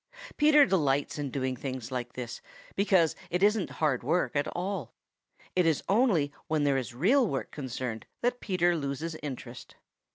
Peter delights in doing things like this, because it isn't hard work at all. It is only when there is real work concerned that Peter loses interest.